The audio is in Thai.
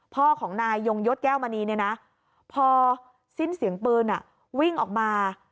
พ่อของนายยงยศแก้วมณีเนี่ยนะพอสิ้นเสียงปืนวิ่งออกมา